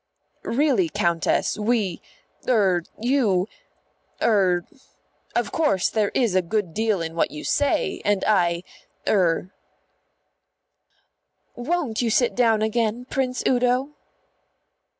"Really, Countess, we er you er Of course there is a good deal in what you say, and I er " "Won't you sit down again, Prince Udo?"